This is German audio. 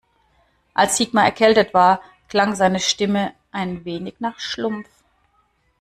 Als Sigmar erkältet war, klang seine Stimme ein wenig nach Schlumpf.